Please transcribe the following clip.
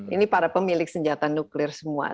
ini para pemilik senjata nuklir semua